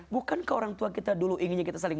bukankah orang tua kita dulu inginnya kita saling